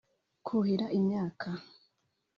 kuhira imyaka